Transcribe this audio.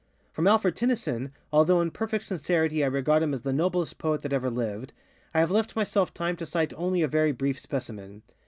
From Alfred Tennyson, although in perfect sincerity I regard him as the noblest poet that ever lived, I have left myself time to cite only a very brief specimen.